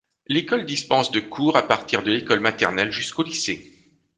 L'école dispense des cours à partir de l'école maternelle jusqu'au lycée.